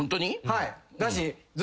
はい。